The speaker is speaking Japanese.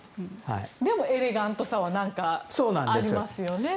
でも、エレガントさはありますよね。